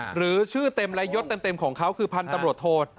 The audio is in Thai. หรือชื่อเต็มและยศเต็มของเขาคือพันธุ์ตำรวจโทษ